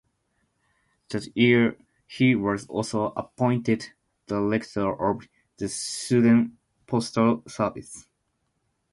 That year he was also appointed director of the Sudan postal service.